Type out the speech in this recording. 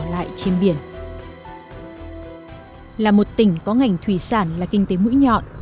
tỉnh quảng ninh cũng phải đối mặt với một tỉnh có ngành thủy sản là kinh tế mũi nhọn